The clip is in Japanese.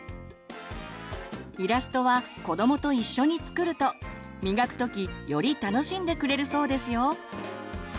イラストは子どもと一緒に作ると磨くときより楽しんでくれるそうですよ。